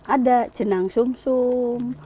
ada jenang sum sum